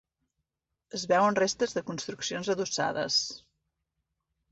Es veuen restes de construccions adossades.